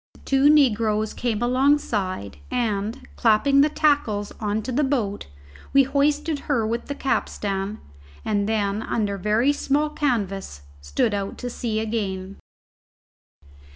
The two negroes came alongside, and, clapping the tackles on to the boat, we hoisted her with the capstan, and then under very small canvas stood out to sea again.